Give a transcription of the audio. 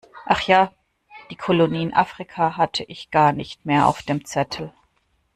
Ach ja, die Kolonie in Afrika hatte ich gar nicht mehr auf dem Zettel.